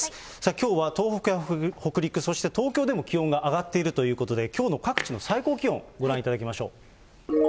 きょうは東北や北陸、そして東京でも気温が上がっているということで、きょうの各地の最高気温ご覧いただきましょう。